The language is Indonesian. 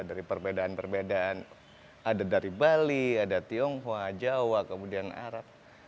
dari perbedaan perbedaan ada dari bali ada tionghoa jawa kemudian arab